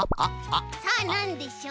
さあなんでしょう？